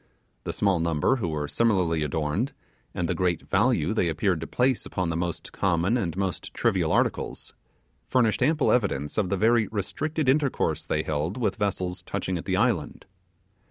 The small number who were similarly adorned, and the great value they appeared to place upon the most common and most trivial articles, furnished ample evidence of the very restricted intercourse they held with vessels touching at the island.